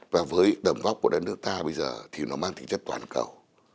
và với đầm vóc của đất nước ta bây giờ thì nó mang tính chất toàn cầu